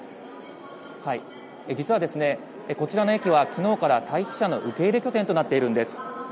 実はこちらの駅は昨日から退避者の受け入れ拠点となっているんです。